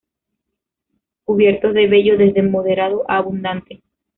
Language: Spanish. Cubiertos de vello desde moderado a abundante.